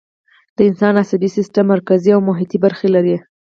د انسان عصبي سیستم مرکزي او محیطی برخې لري